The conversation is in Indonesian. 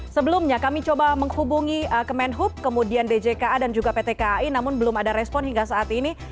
sebelumnya kami coba menghubungi kemenhub kemudian djka dan juga pt kai namun belum ada respon hingga saat ini